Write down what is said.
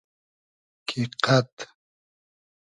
کی قئد